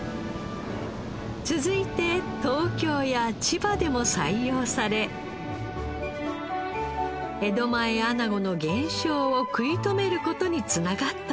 続いて東京や千葉でも採用され江戸前アナゴの減少を食い止める事に繋がったのです。